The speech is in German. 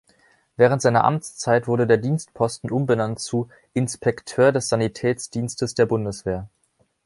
Während seiner Amtszeit wurde der Dienstposten umbenannt zu „Inspekteur des Sanitätsdienstes der Bundeswehr“.